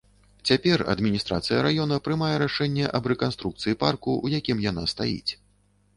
Цяпер адміністрацыя раёна прымае рашэнне аб рэканструкцыі парку, у якім яна стаіць.